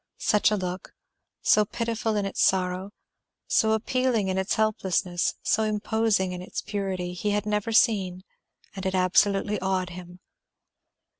Such a look, so pitiful in its sorrow, so appealing in its helplessness, so imposing in its purity, he had never seen, and it absolutely awed him.